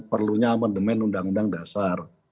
perlunya amandemen undang undang dasar